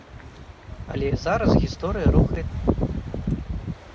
Але зараз гісторыя рухаецца хутчэй.